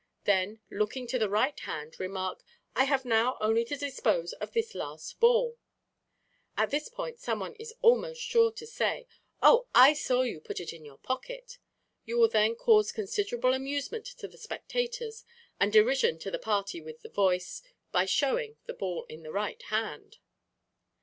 Then, looking to the right hand, remark, "I have now only to dispose of this last ball." At this point someone is almost sure to say, "Oh! I saw you put it in your pocket." You will then cause considerable amusement to the spectators, and derision on the party with the voice, by showing the ball in the right hand.